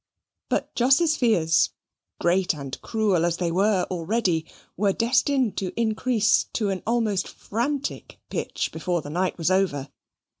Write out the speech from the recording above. But Jos's fears, great and cruel as they were already, were destined to increase to an almost frantic pitch before the night was over.